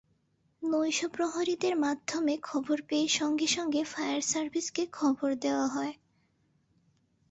নৈশপ্রহরীদের মাধ্যমে খবর পেয়ে সঙ্গে সঙ্গে ফায়ার সার্ভিসকে খবর দেওয়া হয়।